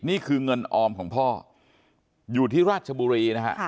นี่คือเงินออมของพ่ออยู่ที่ราชบุรีนะฮะ